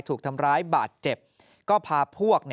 ถูกทำร้ายบาดเจ็บก็พาพวก